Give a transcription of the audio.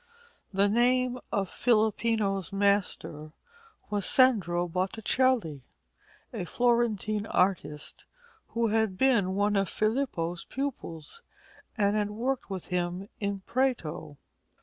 The name of Filippino's master was Sandro Botticelli, a Florentine artist, who had been one of Filippo's pupils and had worked with him in Prato.